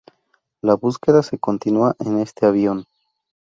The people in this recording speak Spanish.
La búsqueda se continua en este avión.